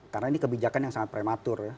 karena ini kebijakan yang sangat prematur